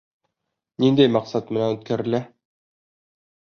Ниндәй маҡсат менән үткәрелә?